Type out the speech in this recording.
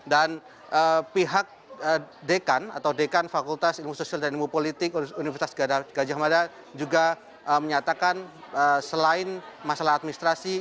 dan pihak dekan atau dekan fakultas ilmu sosial dan ilmu politik universitas gajah mada juga menyatakan selain masalah administrasi